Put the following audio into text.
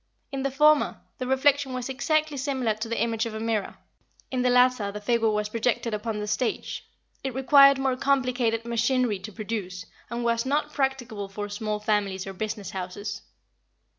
In the former, the reflection was exactly similar to the image of a mirror; in the latter, the figure was projected upon the stage. It required more complicated machinery to produce, and was not practicable for small families or business houses.